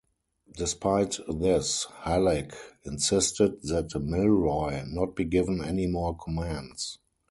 Despite this, Halleck insisted that Milroy not be given any more commands.